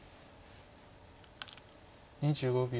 ２５秒。